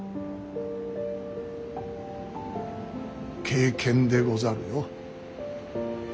経験でござるよ。